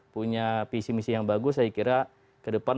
tapi isi isi yang bagus saya kira ke depan